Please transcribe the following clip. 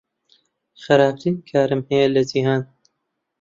خراپترین کارم هەیە لە جیهان.